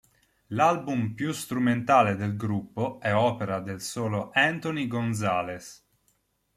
L'album più strumentale del gruppo è opera del solo Anthony Gonzalez.